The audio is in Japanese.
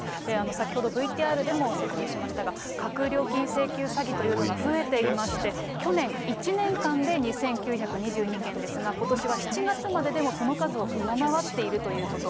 先ほどＶＴＲでも説明しましたが、架空料金請求詐欺というのが増えていまして、去年１年間で２９２２件ですが、ことしは７月まででもその数を上回っているということ。